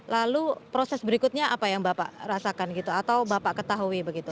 lalu proses berikutnya apa yang bapak rasakan gitu atau bapak ketahui begitu